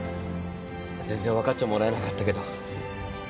全然分かっちゃもらえなかったけど。